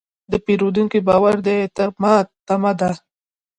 د پیرودونکي باور د اعتماد تمه ده.